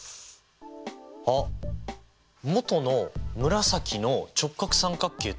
あっ元の紫の直角三角形と合同？